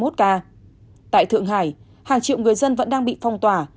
tại thượng hải hàng triệu người dân vẫn đang bị phong tỏa